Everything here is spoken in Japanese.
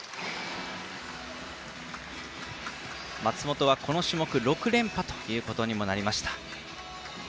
松元はこの種目６連覇ということにもなりました。